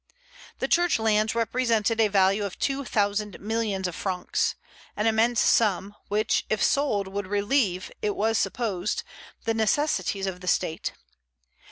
The Church lands represented a value of two thousand millions of francs, an immense sum, which, if sold, would relieve, it was supposed, the necessities of the State.